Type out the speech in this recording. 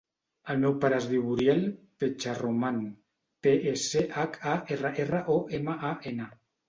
El meu pare es diu Uriel Pecharroman: pe, e, ce, hac, a, erra, erra, o, ema, a, ena.